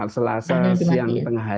selasa siang tengah hari